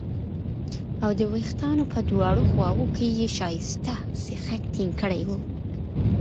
او د وېښتانو په دواړو خواوو کې یې ښایسته سیخک ټینګ کړي وو